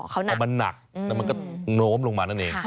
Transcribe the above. เพราะมันหนักแล้วมันก็โน้มลงมานั่นเอง